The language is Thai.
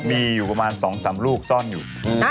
มีอยู่ประมาณ๒๓ลูกซ่อนอยู่